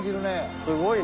すごいね。